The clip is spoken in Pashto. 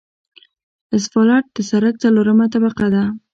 اسفالټ د سرک څلورمه طبقه ده